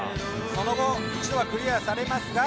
その後一度はクリアされますが。